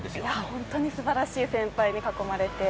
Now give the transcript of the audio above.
本当にすばらしい先輩に囲まれて。